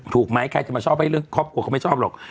ถูกไหมใครจะมาชอบให้เรื่องครอบครัวเขาไม่ชอบหรอก